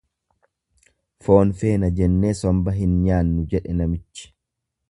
Foon feena jennee somba hin nyaannu, jedhe namichi.